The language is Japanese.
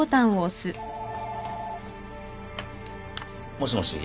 ☎☎もしもし？